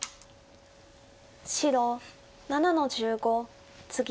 白７の十五ツギ。